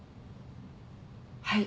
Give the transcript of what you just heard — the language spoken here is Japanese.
はい。